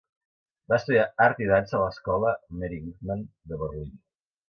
Va estudiar art i dansa a l'escola Mary Wigman de Berlín.